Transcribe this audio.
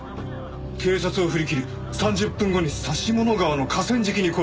「警察を振り切り３０分後に佐下野川の河川敷に来い」